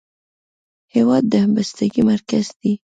هېواد د همبستګۍ مرکز دی.